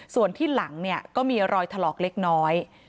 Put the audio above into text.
ส่วนที่หลังก็มีรอยถลอกเล็กน้อย